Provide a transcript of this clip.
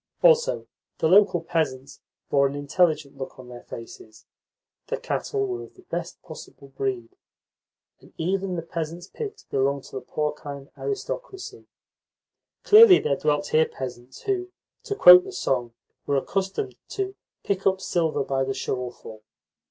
Also, the local peasants bore an intelligent look on their faces, the cattle were of the best possible breed, and even the peasants' pigs belonged to the porcine aristocracy. Clearly there dwelt here peasants who, to quote the song, were accustomed to "pick up silver by the shovelful."